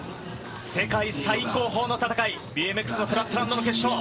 世界最高峰の戦い、ＢＭＸのフラットランドの決勝。